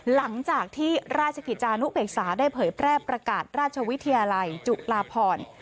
หลังจากที่ราชกิจจานุเบกษาได้เผยแพร่ประกาศราชวิทยาลัยจุฬาพร